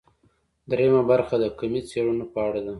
درېیمه برخه د کمي څېړنو په اړه ده.